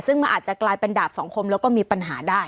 ซึ่งมันอาจจะกลายเป็นดาบสังคมแล้วก็มีปัญหาได้